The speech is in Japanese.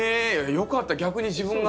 よかった逆に自分があの。